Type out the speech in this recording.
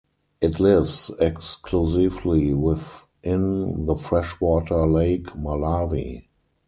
It lives exclusively within the freshwater Lake Malawi.